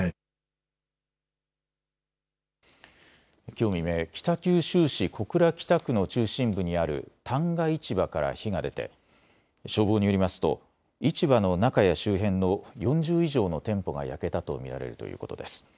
きょう未明、北九州市小倉北区の中心部にある旦過市場から火が出て消防によりますと市場の中や周辺の４０以上の店舗が焼けたと見られるということです。